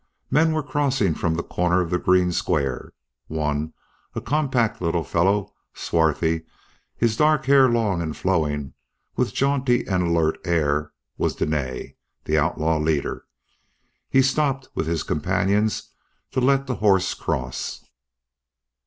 Men were crossing from the corner of the green square. One, a compact little fellow, swarthy, his dark hair long and flowing, with jaunty and alert air, was Dene, the outlaw leader. He stopped, with his companions, to let the horse cross.